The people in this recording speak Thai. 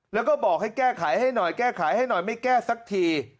แล้วก็บอกให้แก้ไขให้หน่อยแก้ไขให้หน่อยไม่แก้สักที